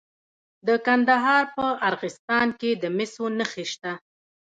د کندهار په ارغستان کې د مسو نښې شته.